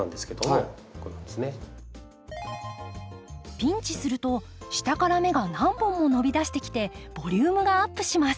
ピンチすると下から芽が何本も伸びだしてきてボリュームがアップします。